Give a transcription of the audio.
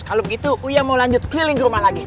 kalau begitu uya mau lanjut keliling ke rumah lagi